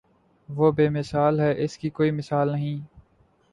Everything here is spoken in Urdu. وہ بے مثال ہے اس کی کوئی مثال نہیں